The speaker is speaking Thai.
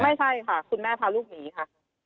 ไม่ใช่ค่ะคุณแม่พาลูกหนีค่ะ